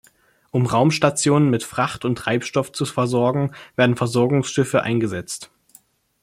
Um Raumstationen mit Fracht und Treibstoff zu versorgen, werden Versorgungsschiffe eingesetzt.